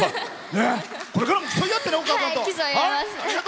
これからも競い合ってね。